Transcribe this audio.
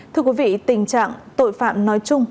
thưa quý vị tình trạng tội phạm nói chung